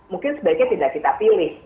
mungkin sebaiknya tidak kita pilih